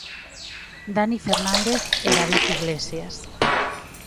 Dani Fernández e David Iglesias.